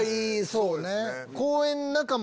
そうね。